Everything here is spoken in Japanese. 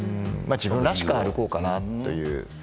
自分らしく歩こうかなと思って。